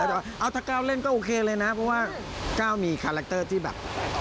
แต่ว่าเอาถ้าก้าวเล่นก็โอเคเลยนะเพราะว่าก้าวมีคาแรคเตอร์ที่แบบ